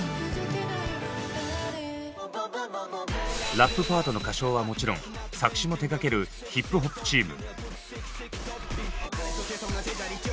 ラップパートの歌唱はもちろん作詞も手がける「ヒップホップ」チーム。